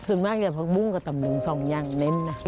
ส่วนมากจะหัวปั๊กบุ้งกับตำรึง๒อย่างเน้นน่ะ